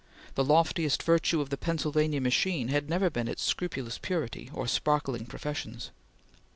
The loftiest virtue of the Pennsylvania machine had never been its scrupulous purity or sparkling professions.